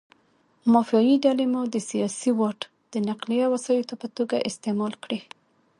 مافیایي ډلې مو د سیاسي واټ د نقلیه وسایطو په توګه استعمال کړي.